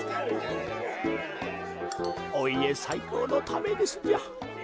おいえさいこうのためですじゃ。